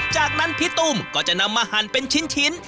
จากนั้นพี่ตุ้มก็จะนำมาหั่นเป็นชิ้น